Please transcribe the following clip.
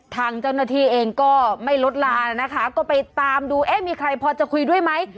ทางเจ้าหน้าที่เองก็ไม่ลดลานะคะก็ไปตามดูเอ๊ะมีใครพอจะคุยด้วยไหม